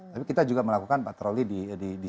tapi kita juga melakukan patroli di